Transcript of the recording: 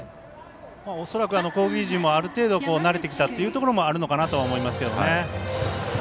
恐らく攻撃陣もある程度慣れてきたというところもあるのかなと思いますけどね。